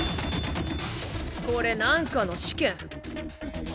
これなんかの試験？